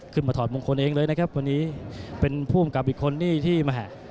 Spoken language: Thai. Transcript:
ถอดมงคลเองเลยนะครับวันนี้เป็นผู้อำกับอีกคนนี่ที่แม่